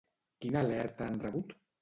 Quina alerta han rebut?